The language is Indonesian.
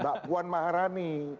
mbak puan maharani